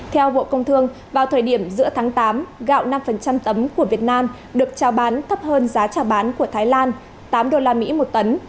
theo bộ công thương vào thời điểm giữa tháng tám gạo năm tấm của việt nam được trao bán thấp hơn giá trao bán của thái lan